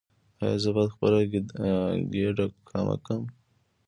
ایا زه باید خپل ګیډه کمه کړم؟